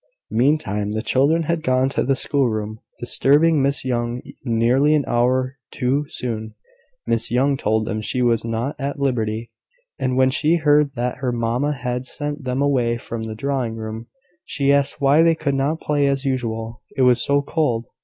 Meantime, the children had gone to the schoolroom, disturbing Miss Young nearly an hour too soon. Miss Young told them she was not at liberty; and when she heard that their mamma had sent them away from the drawing room, she asked why they could not play as usual. It was so cold!